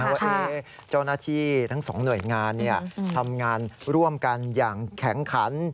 ว่าเจ้าหน้าที่ทั้งสองหน่วยงานทำงานร่วมกันอย่างแข็งขัน